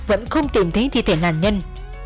vẫn không tìm thấy thi thể nạn nhân